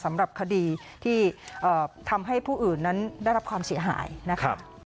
สำหรับคดีที่ทำให้ผู้อื่นนั้นได้รับความเสียหายนะคะ